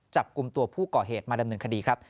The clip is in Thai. จับกลุ่มตัวผู้ก่อเหตุมาดำเนินคดีครับ